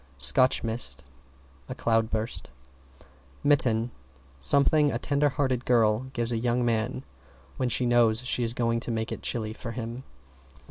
=SCOTCH MIST= A cloudburst. =MITTEN= Something a tender hearted girl gives a young man when she knows she is going to make it chilly for him.